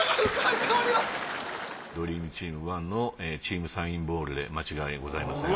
ドリームチーム１のチームサインボールで間違いございません。